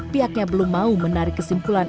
pihaknya belum mau menarik kesimpulan